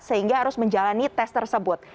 sehingga harus menjalani tes tersebut